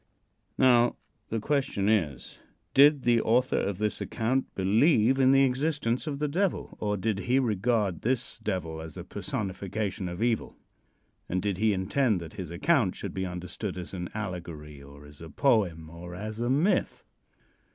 Now, the question is: Did the author of this account believe in the existence of the Devil, or did he regard this Devil as a personification of evil, and did he intend that his account should be understood as an allegory, or as a poem, or as a myth.